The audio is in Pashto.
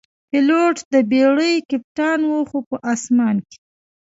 پیلوټ د بېړۍ کپتان وي، خو په آسمان کې.